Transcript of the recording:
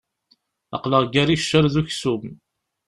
Aql-aɣ ger iccer d uksum.